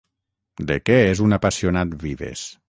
De què és un apassionat Vives?